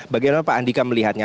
bagaimana pak andika melihatnya